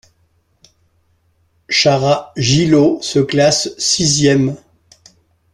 Shara Gillow se classe sixième.